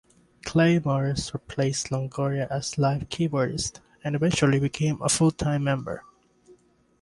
Clay Morris replaced Longoria as live keyboardist, and eventually became a full-time member.